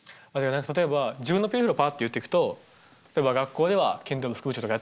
例えば自分のプロフィールをパッて言ってくと例えば学校では剣道部副部長とかやってます。